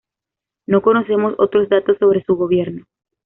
No conocemos otros datos sobre su gobierno.